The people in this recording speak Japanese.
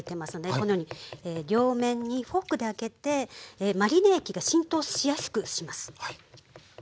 このように両面にフォークで開けてマリネ液が浸透しやすくします。